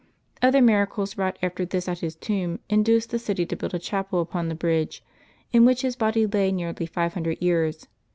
Other miracles wrought after this at his tomb induced the city to build a chapel upon the April 15J LIVES OF TEE SAINTS 147 bridge, in which his body lay nearly five hundred years.